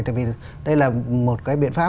tại vì đây là một cái biện pháp